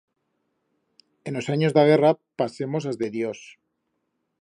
En os anyos d'a guerra pasemos as de Dios.